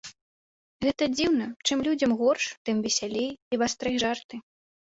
Гэта дзіўна, чым людзям горш, тым весялей і вастрэй жарты.